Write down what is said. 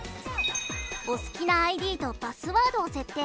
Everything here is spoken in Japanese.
お好きなＩＤとパスワードを設定。